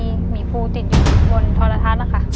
ไม่มีหมีภูติดอยู่บนทราธานะคะ